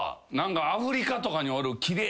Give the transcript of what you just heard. アフリカとかにおる。